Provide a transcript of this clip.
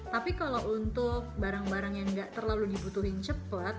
tapi kalau untuk barang barang yang nggak terlalu diputuhin cepat